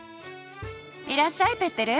いらっしゃいペッテル。